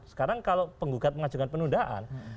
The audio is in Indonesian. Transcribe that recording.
sekarang kalau penggugat mengajukan penundaan